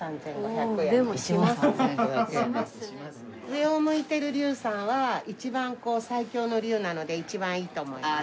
上を向いてる龍さんは一番最強の龍なので一番いいと思います。